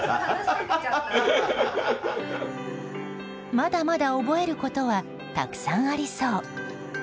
まだまだ覚えることはたくさんありそう。